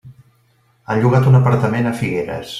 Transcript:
Han llogat un apartament a Figueres.